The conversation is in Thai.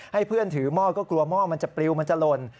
ให้เพื่อนถือหม้อก็กลัวหม้อมันจะปลิวมันจะหล่น